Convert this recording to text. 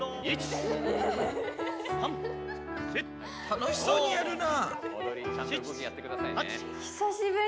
楽しそうにやるな。